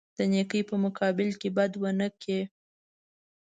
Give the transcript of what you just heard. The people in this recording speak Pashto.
د نیکۍ په مقابل کې بد ونه کړي.